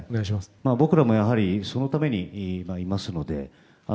僕らもそのためにいますので。